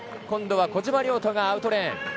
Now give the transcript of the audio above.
今度は小島良太がアウトレーン。